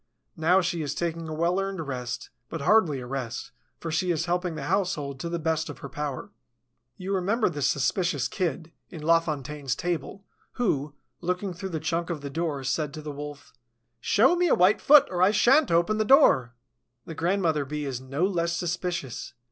Now she is taking a well earned rest, but hardly a rest, for she is helping the household to the best of her power. You remember the suspicious Kid, in La Fontaine's fable, who, looking through the chink of the door, said to the Wolf: "Show me a white foot, or I shan't open the door." The grandmother Bee is no less suspicious.